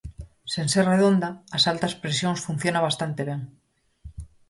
Sen ser redonda, As Altas Presións funciona bastante ben.